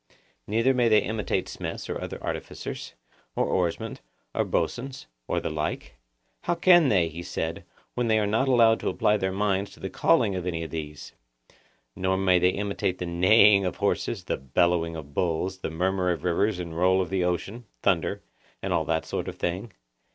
Neither may they imitate smiths or other artificers, or oarsmen, or boatswains, or the like? How can they, he said, when they are not allowed to apply their minds to the callings of any of these? Nor may they imitate the neighing of horses, the bellowing of bulls, the murmur of rivers and roll of the ocean, thunder, and all that sort of thing?